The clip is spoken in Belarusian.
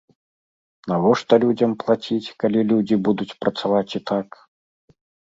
Навошта людзям плаціць, калі людзі будуць працаваць і так?